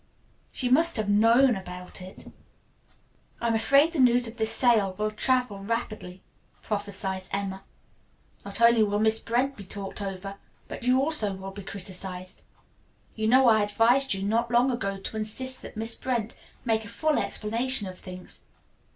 "She must have known about it." "I am afraid the news of this sale will travel rapidly," prophesied Emma. "Not only will Miss Brent be talked over, but you also will be criticized. You know I advised you, not long ago, to insist that Miss Brent make a full explanation of things.